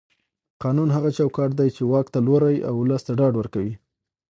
قانون هغه چوکاټ دی چې واک ته لوری او ولس ته ډاډ ورکوي